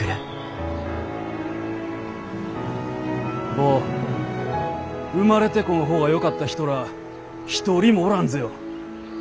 坊生まれてこん方がよかった人らあ一人もおらんぜよ。